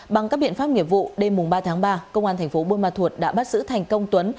bằng các biện pháp nghiệp vụ đêm ba tháng ba công an thành phố buôn ma thuột đã bắt giữ thành công tuấn